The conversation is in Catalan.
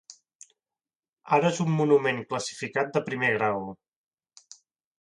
Ara és un monument classificat de primer grau.